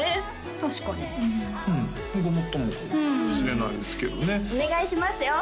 確かにうんごもっともかもしれないですけどねお願いしますよ！